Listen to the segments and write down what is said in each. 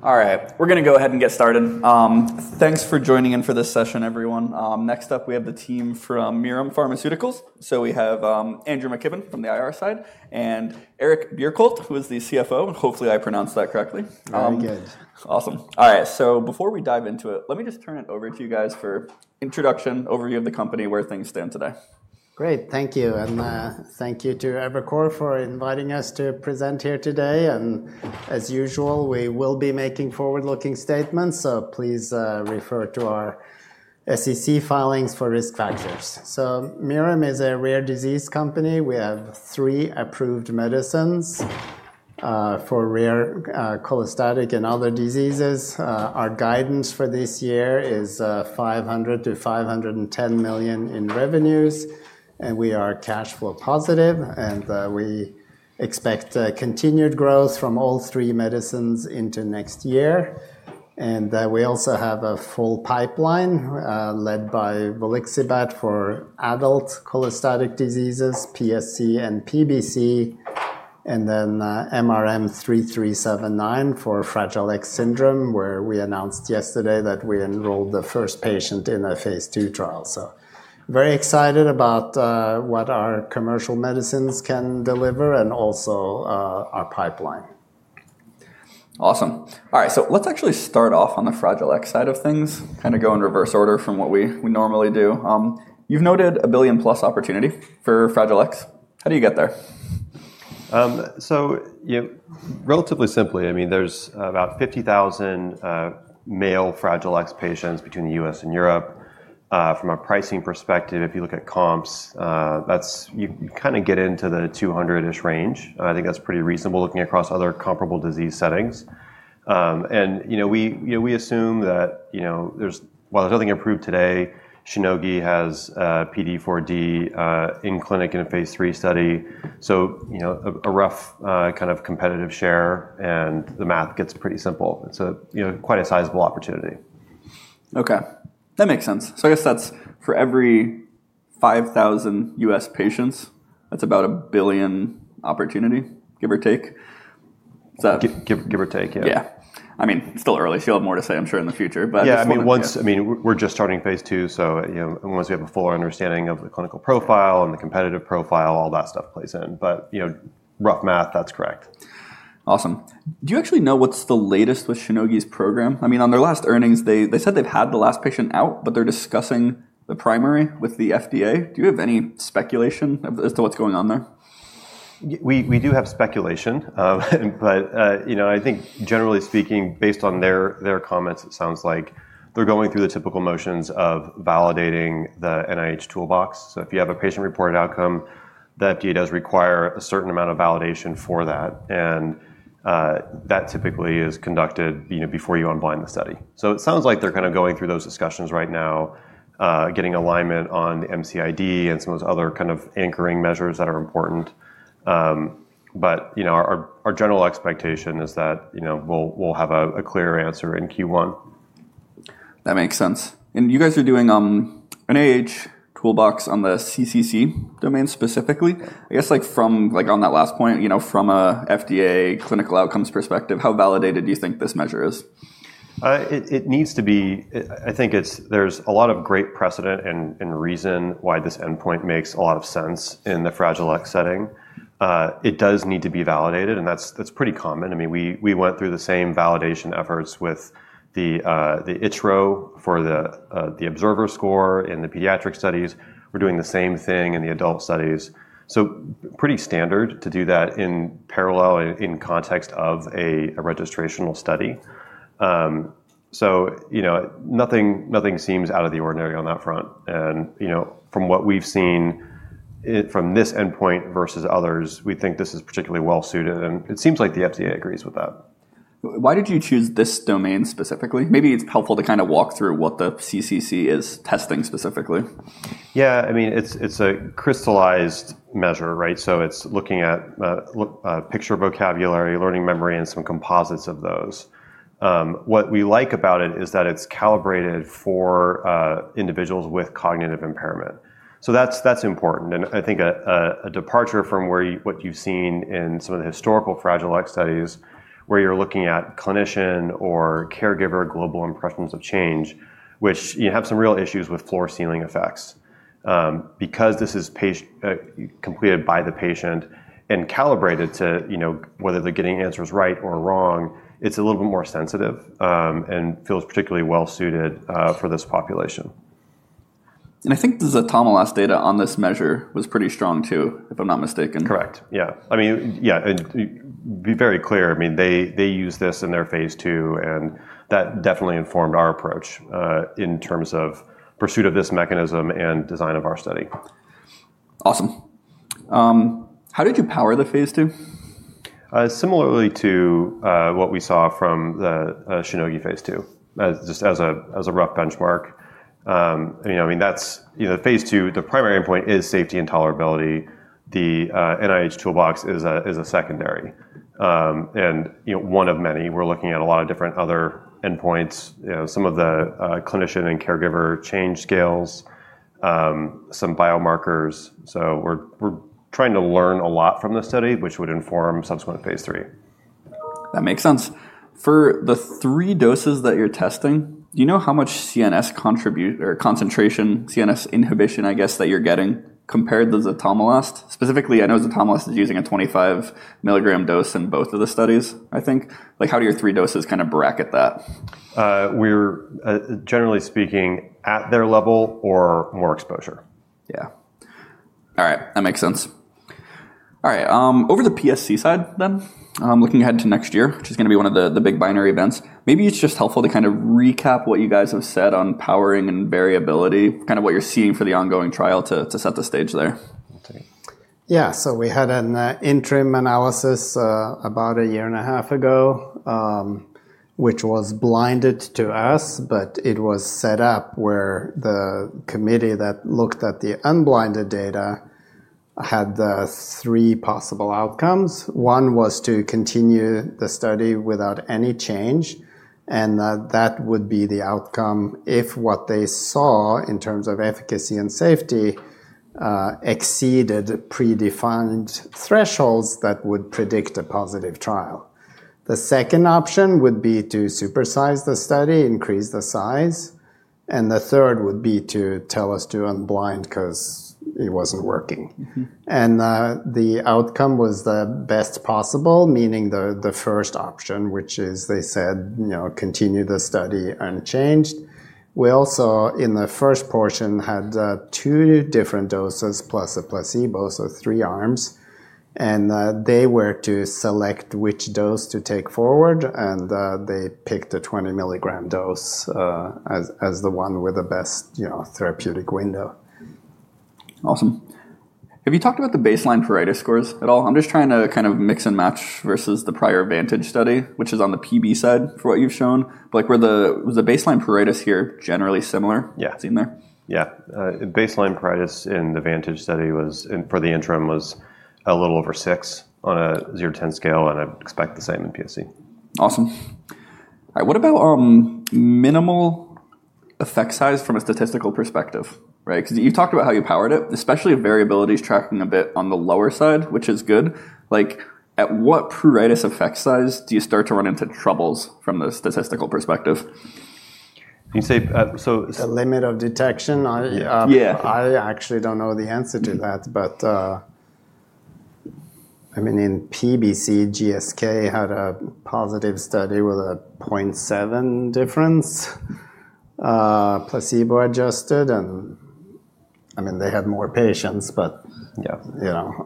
Good. All right. We're going to go ahead and get started. Thanks for joining in for this session, everyone. Next up, we have the team from Mirum Pharmaceuticals. So we have Andrew McKibben from the IR side, and Eric Bjerkholt, who is the CFO. Hopefully, I pronounced that correctly. Very good. Awesome. All right. So before we dive into it, let me just turn it over to you guys for introduction, overview of the company, where things stand today. Great. Thank you. And thank you to Evercore for inviting us to present here today. And as usual, we will be making forward-looking statements. So please refer to our SEC filings for risk factors. So Mirum is a rare disease company. We have three approved medicines for rare cholestatic and other diseases. Our guidance for this year is $500 million-$510 million in revenues. And we are cash flow positive. And we expect continued growth from all three medicines into next year. And we also have a full pipeline led by Volixibat for adult cholestatic diseases, PSC and PBC, and then MRM-3379 for Fragile X syndrome, where we announced yesterday that we enrolled the first patient in a phase two trial. So very excited about what our commercial medicines can deliver and also our pipeline. Awesome. All right. So let's actually start off on the Fragile X side of things, kind of go in reverse order from what we normally do. You've noted a billion-plus opportunity for Fragile X. How do you get there? Relatively simply, I mean, there's about 50,000 male Fragile X patients between the U.S. and Europe. From a pricing perspective, if you look at comps, you kind of get into the 200-ish range. I think that's pretty reasonable looking across other comparable disease settings. We assume that while there's nothing approved today, Shionogi has PDE4D in clinic in a phase three study. A rough kind of competitive share. The math gets pretty simple. It's quite a sizable opportunity. OK. That makes sense. So I guess that's for every 5,000 U.S. patients, that's about a $1 billion opportunity, give or take. Give or take, yeah. Yeah. I mean, it's still early. She'll have more to say, I'm sure, in the future. Yeah. I mean, we're just starting phase two. So once we have a fuller understanding of the clinical profile and the competitive profile, all that stuff plays in. But rough math, that's correct. Awesome. Do you actually know what's the latest with Shionogi's program? I mean, on their last earnings, they said they've had the last patient out, but they're discussing the primary with the FDA. Do you have any speculation as to what's going on there? We do have speculation. But I think, generally speaking, based on their comments, it sounds like they're going through the typical motions of validating the NIH Toolbox. So if you have a patient-reported outcome, the FDA does require a certain amount of validation for that. And that typically is conducted before you unblind the study. So it sounds like they're kind of going through those discussions right now, getting alignment on the MCID and some of those other kind of anchoring measures that are important. But our general expectation is that we'll have a clear answer in Q1. That makes sense. And you guys are doing an NIH Toolbox on the CCC domain specifically. I guess on that last point, from an FDA clinical outcomes perspective, how validated do you think this measure is? It needs to be. I think there's a lot of great precedent and reason why this endpoint makes a lot of sense in the Fragile X setting. It does need to be validated. And that's pretty common. I mean, we went through the same validation efforts with the ItchRO for the observer score in the pediatric studies. We're doing the same thing in the adult studies. So pretty standard to do that in parallel in context of a registrational study. So nothing seems out of the ordinary on that front. And from what we've seen from this endpoint versus others, we think this is particularly well-suited. And it seems like the FDA agrees with that. Why did you choose this domain specifically? Maybe it's helpful to kind of walk through what the CCC is testing specifically. Yeah. I mean, it's a crystallized measure, right? So it's looking at picture vocabulary, learning memory, and some composites of those. What we like about it is that it's calibrated for individuals with cognitive impairment. So that's important. And I think a departure from what you've seen in some of the historical Fragile X studies, where you're looking at clinician or caregiver global impressions of change, which you have some real issues with floor-ceiling effects. Because this is completed by the patient and calibrated to whether they're getting answers right or wrong, it's a little bit more sensitive and feels particularly well-suited for this population. I think the Tomola's data on this measure was pretty strong too, if I'm not mistaken. Correct. Yeah. I mean, yeah, be very clear. I mean, they use this in their phase 2, and that definitely informed our approach in terms of pursuit of this mechanism and design of our study. Awesome. How did you power the phase two? Similarly to what we saw from the Shionogi phase two, just as a rough benchmark. I mean, that's phase two. The primary endpoint is safety and tolerability. The NIH Toolbox is a secondary and one of many. We're looking at a lot of different other endpoints, some of the clinician and caregiver change scales, some biomarkers. So we're trying to learn a lot from the study, which would inform subsequent phase three. That makes sense. For the three doses that you're testing, do you know how much CNS concentration, CNS inhibition, I guess, that you're getting compared to the Tomola's? Specifically, I know the Tomola's is using a 25 milligram dose in both of the studies, I think. How do your three doses kind of bracket that? We're, generally speaking, at their level or more exposure. Yeah. All right. That makes sense. All right. Over the PSC side then, looking ahead to next year, which is going to be one of the big binary events, maybe it's just helpful to kind of recap what you guys have said on powering and variability, kind of what you're seeing for the ongoing trial to set the stage there. Yeah, so we had an interim analysis about a year and a half ago, which was blinded to us, but it was set up where the committee that looked at the unblinded data had three possible outcomes: one was to continue the study without any change, and that would be the outcome if what they saw in terms of efficacy and safety exceeded predefined thresholds that would predict a positive trial; the second option would be to supersize the study, increase the size; and the third would be to tell us to unblind because it wasn't working, and the outcome was the best possible, meaning the first option, which is they said continue the study unchanged. We also, in the first portion, had two different doses plus a placebo, so three arms, and they were to select which dose to take forward. They picked the 20 milligram dose as the one with the best therapeutic window. Awesome. Have you talked about the baseline pruritus scores at all? I'm just trying to kind of mix and match versus the prior VANTAGE Study, which is on the PBC side for what you've shown. But was the baseline pruritus here generally similar? Yeah. Seen there? Yeah. Baseline pruritus in the VANTAGE study for the interim was a little over six on a 0-10 scale. And I'd expect the same in PSC. Awesome. All right. What about minimal effect size from a statistical perspective? Because you've talked about how you powered it, especially variability is tracking a bit on the lower side, which is good. At what pruritus effect size do you start to run into troubles from the statistical perspective? You say. The limit of detection? Yeah. I actually don't know the answer to that. But I mean, in PBC, GSK had a positive study with a 0.7 difference, placebo adjusted. And I mean, they had more patients. But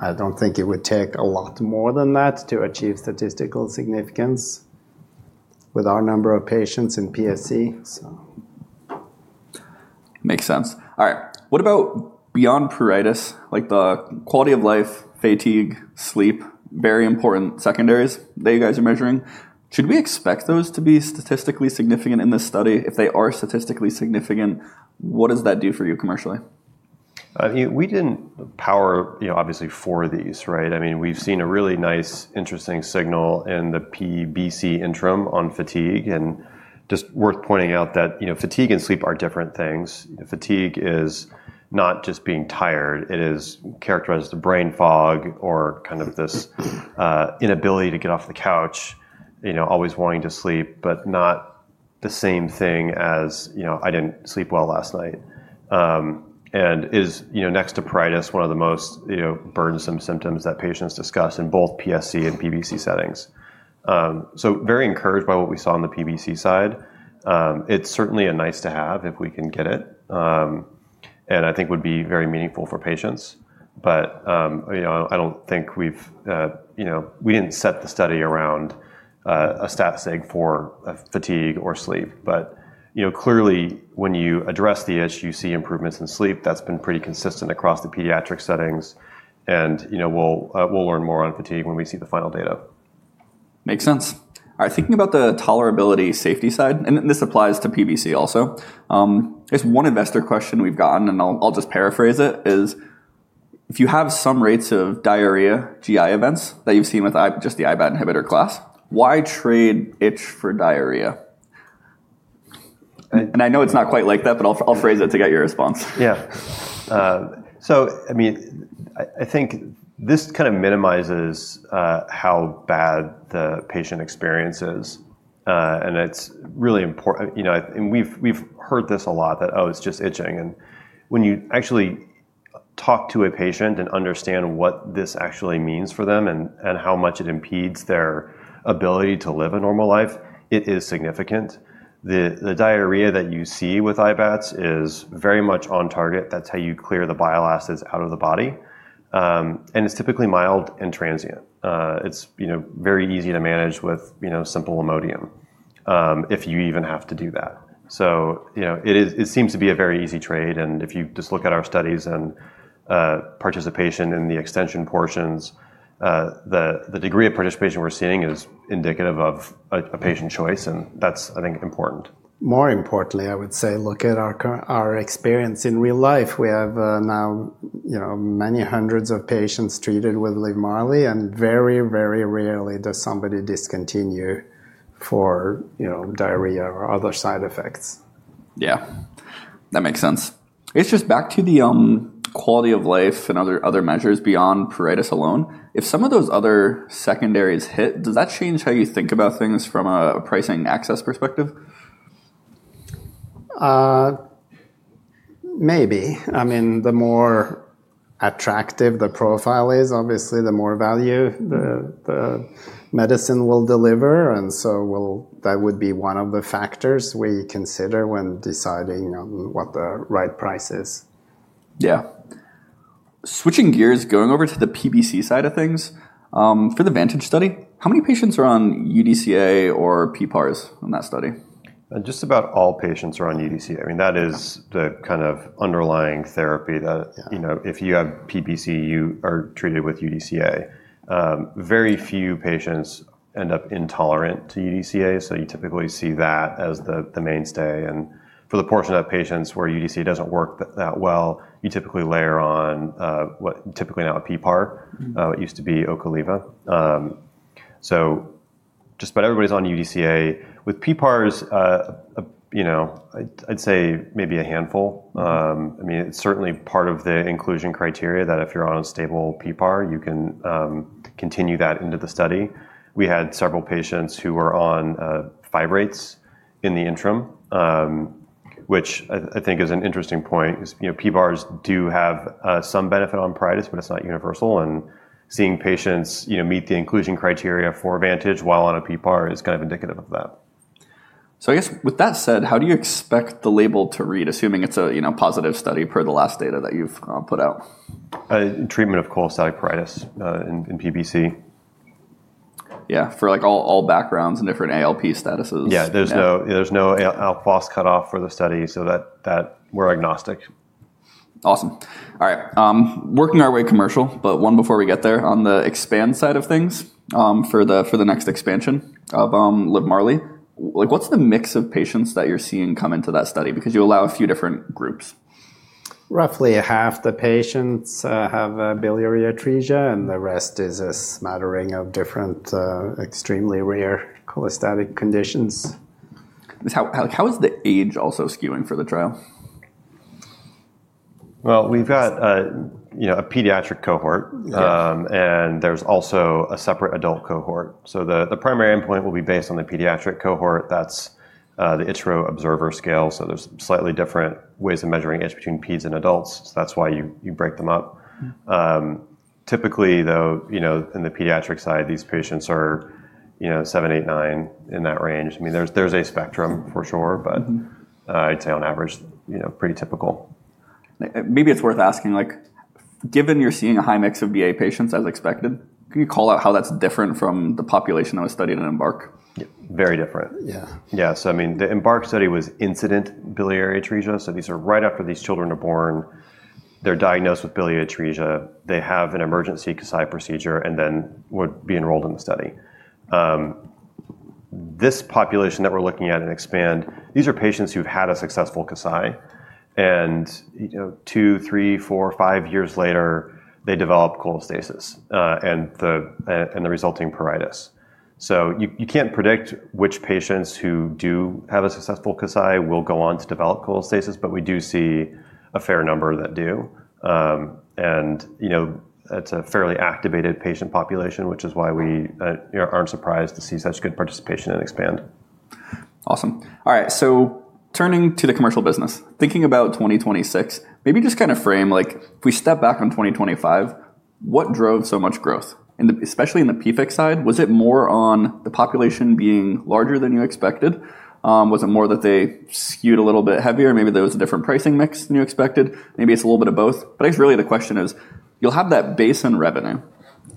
I don't think it would take a lot more than that to achieve statistical significance with our number of patients in PSC. Makes sense. All right. What about beyond pruritus, like the quality of life, fatigue, sleep, very important secondaries that you guys are measuring? Should we expect those to be statistically significant in this study? If they are statistically significant, what does that do for you commercially? We didn't power, obviously, for these, right? I mean, we've seen a really nice, interesting signal in the PBC interim on fatigue, and just worth pointing out that fatigue and sleep are different things. Fatigue is not just being tired. It is characterized as the brain fog or kind of this inability to get off the couch, always wanting to sleep, but not the same thing as I didn't sleep well last night, and is, next to pruritus, one of the most burdensome symptoms that patients discuss in both PSC and PBC settings, so very encouraged by what we saw on the PBC side. It's certainly a nice to have if we can get it, and I think would be very meaningful for patients, but I don't think we didn't set the study around a statistic for fatigue or sleep. But clearly, when you address the issue, you see improvements in sleep. That's been pretty consistent across the pediatric settings. And we'll learn more on fatigue when we see the final data. Makes sense. All right. Thinking about the tolerability safety side, and this applies to PBC also, there's one investor question we've gotten, and I'll just paraphrase it, is if you have some rates of diarrhea, GI events that you've seen with just the IBAT inhibitor class, why trade itch for diarrhea? And I know it's not quite like that, but I'll phrase it to get your response. Yeah. So I mean, I think this kind of minimizes how bad the patient experience is. And it's really important. And we've heard this a lot, that, oh, it's just itching. And when you actually talk to a patient and understand what this actually means for them and how much it impedes their ability to live a normal life, it is significant. The diarrhea that you see with IBATs is very much on target. That's how you clear the bile acids out of the body. And it's typically mild and transient. It's very easy to manage with simple Imodium if you even have to do that. So it seems to be a very easy trade. And if you just look at our studies and participation in the extension portions, the degree of participation we're seeing is indicative of a patient choice. And that's, I think, important. More importantly, I would say, look at our experience in real life. We have now many hundreds of patients treated with LIVMARLI. And very, very rarely does somebody discontinue for diarrhea or other side effects. Yeah. That makes sense. It's just back to the quality of life and other measures beyond pruritus alone. If some of those other secondaries hit, does that change how you think about things from a pricing access perspective? Maybe. I mean, the more attractive the profile is, obviously, the more value the medicine will deliver, and so that would be one of the factors we consider when deciding on what the right price is. Yeah. Switching gears, going over to the PBC side of things, for the VANTAGE study, how many patients are on UDCA or PPARs in that study? Just about all patients are on UDCA. I mean, that is the kind of underlying therapy that if you have PBC, you are treated with UDCA. Very few patients end up intolerant to UDCA. So you typically see that as the mainstay. And for the portion of patients where UDCA doesn't work that well, you typically layer on what typically now a PPAR, what used to be Ocaliva. So just about everybody's on UDCA. With PPARs, I'd say maybe a handful. I mean, it's certainly part of the inclusion criteria that if you're on a stable PPAR, you can continue that into the study. We had several patients who were on fibrates in the interim, which I think is an interesting point. PPARs do have some benefit on pruritus, but it's not universal. Seeing patients meet the inclusion criteria for VANTAGE while on a PPAR is kind of indicative of that. So I guess with that said, how do you expect the label to read, assuming it's a positive study per the last data that you've put out? Treatment of cholestatic pruritus in PBC. Yeah, for all backgrounds and different ALP statuses. Yeah. There's no ALPHOS cutoff for the study. So we're agnostic. Awesome. All right. Working our way commercial, but one before we get there on the EXPAND side of things for the next expansion of LIVMARLI, what's the mix of patients that you're seeing come into that study? Because you allow a few different groups. Roughly half the patients have biliary atresia, and the rest is a smattering of different extremely rare cholestatic conditions. How is the age also skewing for the trial? We've got a pediatric cohort. And there's also a separate adult cohort. So the primary endpoint will be based on the pediatric cohort. That's the ItchRO observer scale. So there's slightly different ways of measuring age between peds and adults. So that's why you break them up. Typically, though, in the pediatric side, these patients are seven, eight, nine in that range. I mean, there's a spectrum for sure. But I'd say on average, pretty typical. Maybe it's worth asking, given you're seeing a high mix of BA patients as expected, can you call out how that's different from the population that was studied in EMBARK? Very different. Yeah. Yeah. So I mean, the EMBARK study was incident biliary atresia. So these are right after these children are born. They're diagnosed with biliary atresia. They have an emergency Kasai procedure and then would be enrolled in the study. This population that we're looking at in EXPAND, these are patients who've had a successful Kasai. And two, three, four, five years later, they develop cholestasis and the resulting pruritus. So you can't predict which patients who do have a successful Kasai will go on to develop cholestasis. But we do see a fair number that do. And it's a fairly activated patient population, which is why we aren't surprised to see such good participation in EXPAND. Awesome. All right. So turning to the commercial business, thinking about 2026, maybe just kind of frame if we step back on 2025, what drove so much growth? And especially in the PFIC side, was it more on the population being larger than you expected? Was it more that they skewed a little bit heavier? Maybe there was a different pricing mix than you expected. Maybe it's a little bit of both. But I guess really the question is, you'll have that base in revenue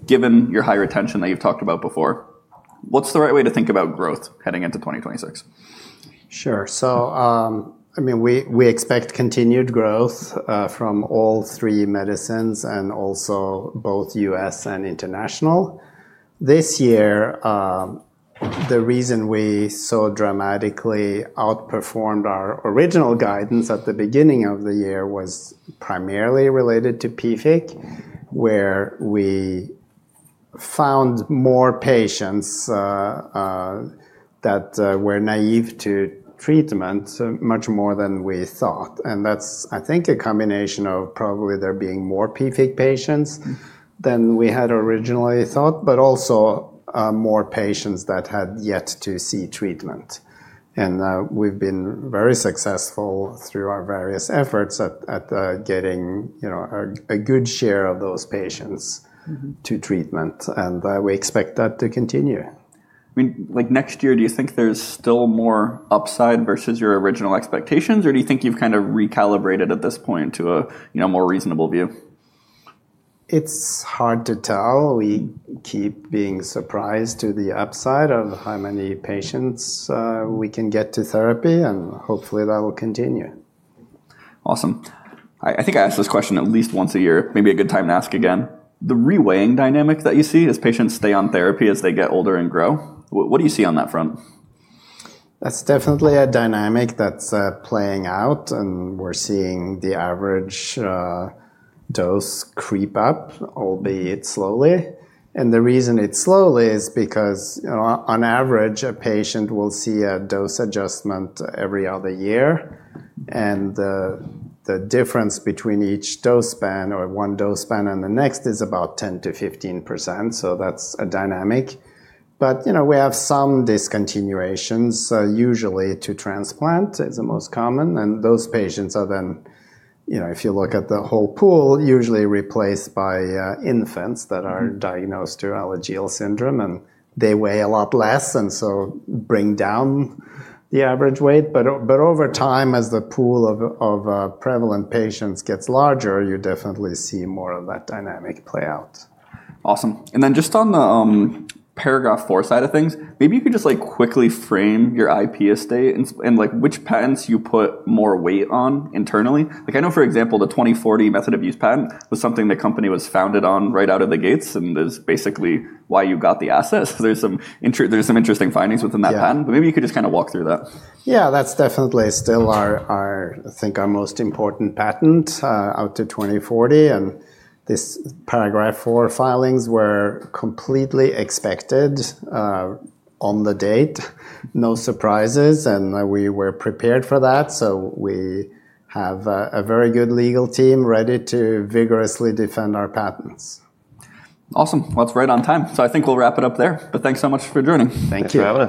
given your high retention that you've talked about before. What's the right way to think about growth heading into 2026? Sure. So I mean, we expect continued growth from all three medicines and also both U.S. and international. This year, the reason we so dramatically outperformed our original guidance at the beginning of the year was primarily related to PFIC, where we found more patients that were naive to treatment much more than we thought. And that's, I think, a combination of probably there being more PFIC patients than we had originally thought, but also more patients that had yet to see treatment. And we've been very successful through our various efforts at getting a good share of those patients to treatment. And we expect that to continue. I mean, next year, do you think there's still more upside versus your original expectations? Or do you think you've kind of recalibrated at this point to a more reasonable view? It's hard to tell. We keep being surprised to the upside of how many patients we can get to therapy, and hopefully, that will continue. Awesome. I think I ask this question at least once a year. Maybe a good time to ask again. The reweighing dynamic that you see as patients stay on therapy as they get older and grow. What do you see on that front? That’s definitely a dynamic that’s playing out. And we’re seeing the average dose creep up, albeit slowly. And the reason it’s slowly is because, on average, a patient will see a dose adjustment every other year. And the difference between each dose span or one dose span and the next is about 10%-15%. So that’s a dynamic. But we have some discontinuations. Usually, to transplant is the most common. And those patients are then, if you look at the whole pool, usually replaced by infants that are diagnosed with Alagille syndrome. And they weigh a lot less and so bring down the average weight. But over time, as the pool of prevalent patients gets larger, you definitely see more of that dynamic play out. Awesome. And then just on the Paragraph IV side of things, maybe you could just quickly frame your IP estate and which patents you put more weight on internally. I know, for example, the 2040 method of use patent was something the company was founded on right out of the gates. And it's basically why you got the assets. There's some interesting findings within that patent. But maybe you could just kind of walk through that. Yeah. That's definitely still, I think, our most important patent out to 2040. And this Paragraph IV filings were completely expected on the date. No surprises. And we were prepared for that. So we have a very good legal team ready to vigorously defend our patents. Awesome. Well, that's right on time. So I think we'll wrap it up there. But thanks so much for joining. Thank you.